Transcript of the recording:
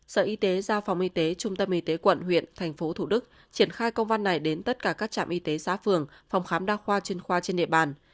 sở y tế giao phòng y tế trung tâm y tế quận huyện thành phố thủ đức triển khai công văn này đến tất cả các trạm y tế xã phường phòng khám đa khoa chuyên khoa trên địa bàn